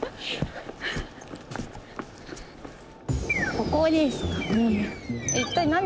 ここですかね。